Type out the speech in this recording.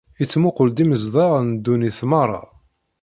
Ittmuqul-d imezdaɣ n ddunit merra.